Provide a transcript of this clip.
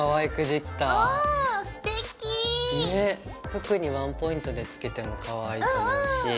服にワンポイントで付けてもかわいいと思うし。